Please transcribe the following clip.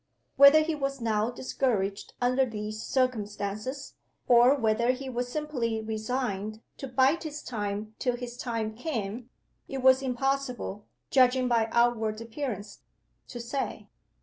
Whether he was now discouraged under these circumstances, or whether he was simply resigned to bide his time till his time came, it was impossible, judging by outward appearances, to say.